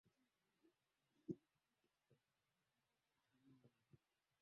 wote wa bara kutoka Bahari ya Atlantiki hadi Pasifiki ikigawanywa kwa